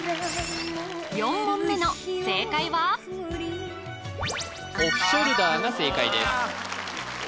４問目の正解はオフショルダーが正解です